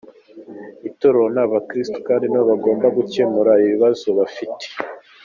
Itorero ni abakirisitu kandi nibo bagomba gukemura ibibazo bafite.